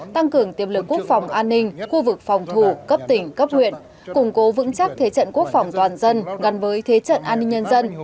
tăng cường tiềm lực quốc phòng an ninh khu vực phòng thủ cấp tỉnh cấp huyện củng cố vững chắc thế trận quốc phòng toàn dân gắn với thế trận an ninh nhân dân